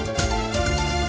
teganya teganya teganya